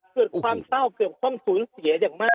เกิดความเศร้าเกิดความสูญเสียอย่างมาก